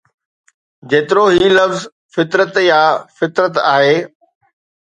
جيترو هي لفظ فطرت يا فطرت آهي